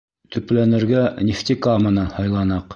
Төпләнергә Нефтекаманы һайланыҡ.